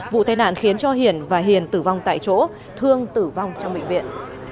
vụ tai nạn khiến cho hiển và hiền tử vong tại chỗ thương tử vong trong bệnh viện